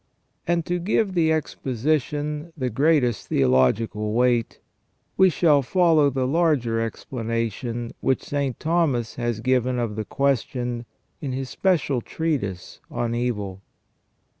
And to give the exposition the greatest theological ON PENAL EVIL OR PUNISHMENT. 227 weight, we shall follow the larger explanation which St. Thomas has given of the question in his special treatise " On Evil